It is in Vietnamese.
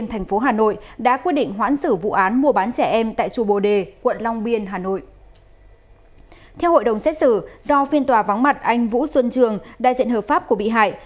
theo hội đồng xét xử do phiên tòa vắng mặt anh vũ xuân trường đại diện hợp pháp của bị hại